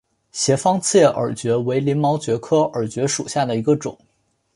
斜方刺叶耳蕨为鳞毛蕨科耳蕨属下的一个种。